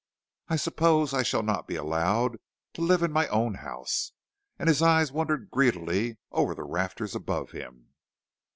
I suppose I shall not be allowed to live in my own house." And his eyes wandered greedily over the rafters above him.